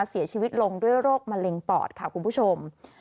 เสียชีวิตลงด้วยโรคมะเร็งปอดค่ะคุณผู้ชม